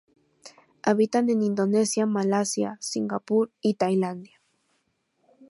Habitan en Indonesia, Malasia, Singapur y Tailandia.